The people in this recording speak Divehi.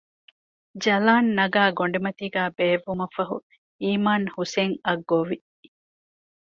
ޖަލާން ނަގައި ގޮޑިމަތީގައި ބޭއްވުމަށްފަހު އީމާން ހުސެންއަށް ގޮވި